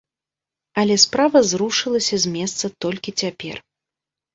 Але справа зрушылася з месца толькі цяпер.